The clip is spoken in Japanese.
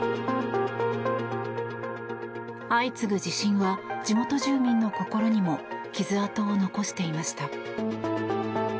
相次ぐ地震は、地元住民の心にも傷跡を残していました。